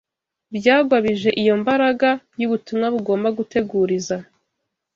byagwabije iyo mbaraga y’ubutumwa bugomba guteguriza